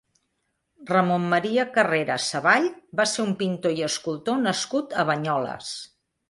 Ramon Maria Carrera Savall va ser un pintor i escultor nascut a Banyoles.